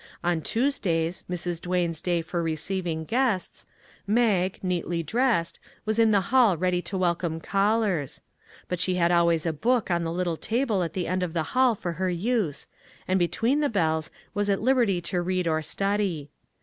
On Tuesdays, Mrs. Duane's day for receiving guests, Mag, neatly dressed, was in the hall ready to welcome callers; but she had always a book on the little table at the end of the hall for her use, and between the bells was at liberty to read or study.